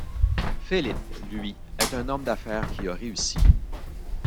Philip, lui, est un homme d'affaires qui a réussi.